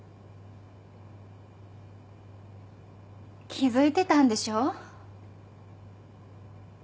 気付いてたんでしょう？